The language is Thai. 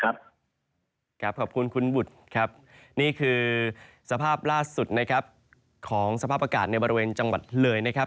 ขอบคุณคุณบุตรครับนี่คือสภาพล่าสุดนะครับของสภาพอากาศในบริเวณจังหวัดเลยนะครับ